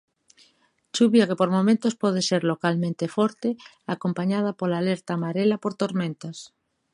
Chuvia que por momentos pode ser localmente forte, acompañada pola alerta amarela por tormentas.